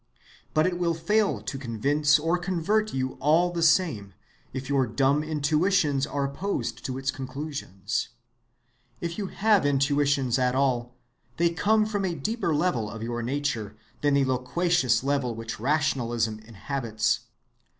But it will fail to convince or convert you all the same, if your dumb intuitions are opposed to its conclusions. If you have intuitions at all, they come from a deeper level of your nature than the loquacious level which rationalism inhabits.